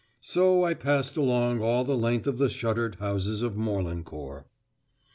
So I passed along all the length of the shuttered houses of Morlancourt.